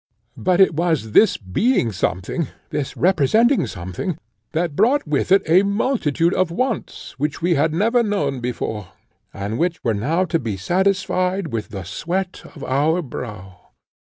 But it was precisely this being something, this representing something, that brought with it a multitude of wants which we had never known before, and which were now to be satisfied with the sweat of our brow.